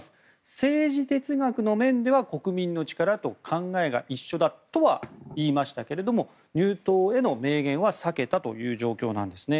政治哲学の面では国民の力と考えが一緒だとは言いましたが入党への明言は避けたという状況なんですね。